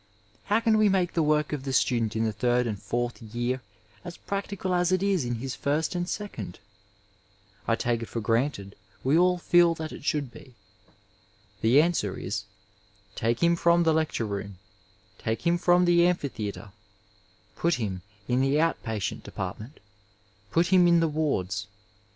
How can we make the work of the student in the third and fourth year as practical as it is in his first and second ? 880 Digitized by Google THE HOSPITAL AS A COLLEGE I take it for granted we all feel that it Bhonld be. The answer is, take him from the lectore room, take him from the amphitheatre — ^put him in the out patient department — ^put him in the wards.